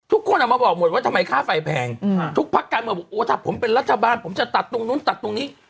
ทุกคนออกมาบอกหมดว่าทำไมค่าไฟแพงทุกพักการเมืองบอกโอ้ถ้าผมเป็นรัฐบาลผมจะตัดตรงนู้นตัดตรงนี้